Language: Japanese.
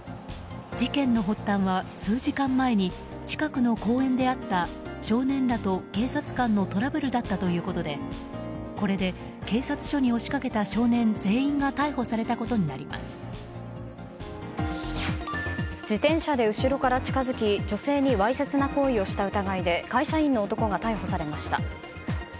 事件の発端は、数時間前に近くの公園であった少年らと警察官のトラブルだったということでこれで警察署に押し掛けた少年全員が自転車で後ろから近づき女性にわいせつな行為をした疑いで会社員の男が逮捕されました。